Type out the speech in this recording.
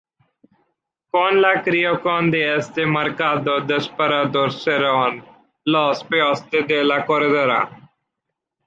Con la creación de este mercado desaparecieron los puesto de la Corredera.